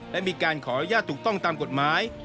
และมีการขออนุญาตถูกต้องตามกฎหมาย